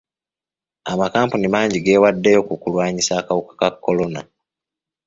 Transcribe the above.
Amakampuni mangi gewaddeyo ku kulwanyisa akawuka ka kolona.